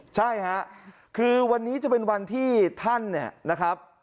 ใช่ค่ะคือวันนี้จะเป็นวันที่ท่านเนี่ยนะครับ